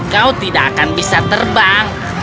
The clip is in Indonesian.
kau tidak akan bisa terbang